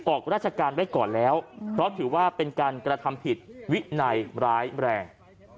ออกราชการไว้ก่อนแล้วเพราะถือว่าเป็นการกระทำผิดวินัยร้ายแรง